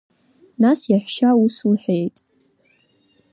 Нас иаҳәшьа ус лҳәеит…